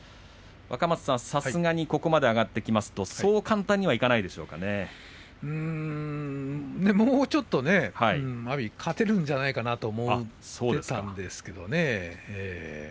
さすがにここまで上がってきますと簡単にはもうちょっとね勝てるんじゃないかなと思っていたんですけどね。